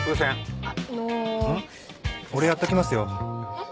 えっ？